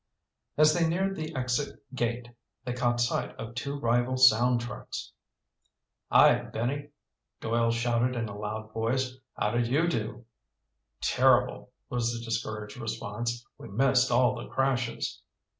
As they neared the exit gate, they caught sight of two rival sound trucks. "Hi, Benny!" Doyle shouted in a loud voice. "How did you do?" "Terrible," was the discouraged response. "We missed all the crashes."